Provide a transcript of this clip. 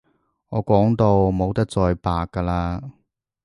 我講到冇得再白㗎喇